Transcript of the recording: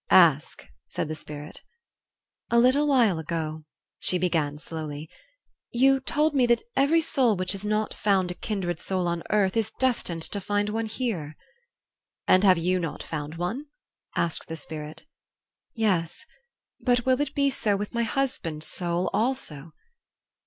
"Ask," said the Spirit. "A little while ago," she began, slowly, "you told me that every soul which has not found a kindred soul on earth is destined to find one here." "And have you not found one?" asked the Spirit. "Yes; but will it be so with my husband's soul also?"